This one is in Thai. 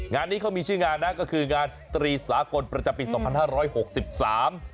งานนี้เขามีชื่องานนะก็คืองานสตรีสากลประจำปีสองพันห้าร้อยหกสิบสาม